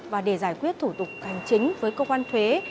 và để giải quyết thủ tục hành chính với cơ quan thuế